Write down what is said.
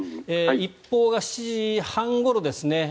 一報が７時半ごろですね。